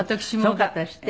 すごかったですって？